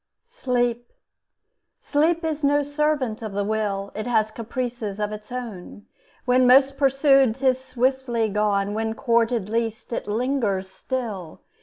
SLEEP Sleep is no servant of the will, It has caprices of its own: When most pursued, 'tis swiftly gone; When courted least, it lingers still.